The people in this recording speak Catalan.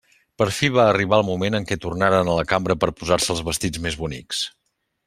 Per fi va arribar el moment en què tornaren a la cambra per a posar-se els vestits més bonics.